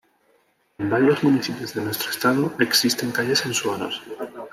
En varios municipios de nuestro Estado existen calles en su honor.